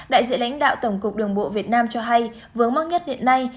đại diện lãnh đạo tổng cục đường bộ việt nam cho hay vướng mắc nhất hiện nay